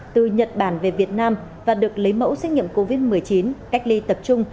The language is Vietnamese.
từ nhật bản về việt nam và được lấy mẫu xét nghiệm covid một mươi chín cách ly tập trung